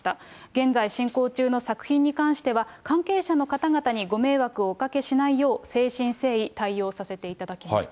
現在進行中の作品に関しては、関係者の方々にご迷惑をおかけしないよう、誠心誠意対応させていただきますと。